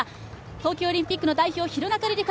東京オリンピック代表・廣中璃梨佳